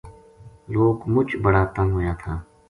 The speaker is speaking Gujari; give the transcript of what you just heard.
لوک مُچ بڑا تنگ ہویا تھا